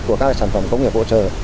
của các sản phẩm công nghiệp hỗ trợ